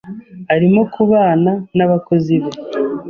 Arimo kubana n'abakozi be.